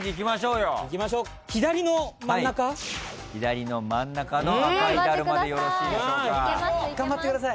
左の真ん中の赤いダルマでよろしいでしょうか。